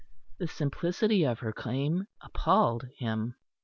The simplicity of her claim appalled him.